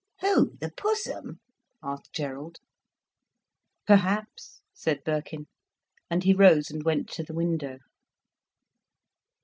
"Who—the Pussum?" asked Gerald. "Perhaps," said Birkin. And he rose and went to the window.